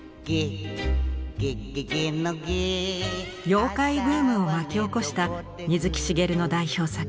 妖怪ブームを巻き起こした水木しげるの代表作